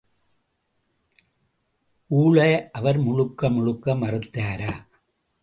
ஊழை அவர் முழுக்க முழுக்க மறுத்தாரா?